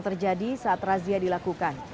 terjadi saat razia dilakukan